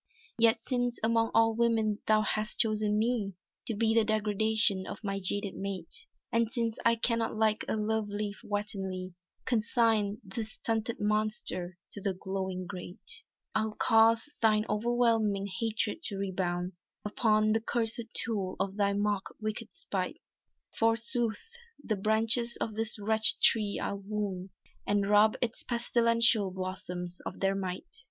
"Yet since among all women thou hast chosen me To be the degradation of my jaded mate, And since I cannot like a love leaf wantonly Consign this stunted monster to the glowing grate," "I'll cause thine overwhelming hatred to rebound Upon the cursèd tool of thy most wicked spite. Forsooth, the branches of this wretched tree I'll wound And rob its pestilential blossoms of their might!"